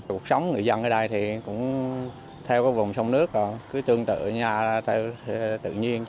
cuộc sống người dân ở đây thì cũng theo cái vùng sông nước cứ tương tự nhà tự nhiên